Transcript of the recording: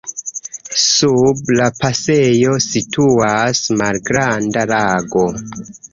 Sub la pasejo situas malgranda lago.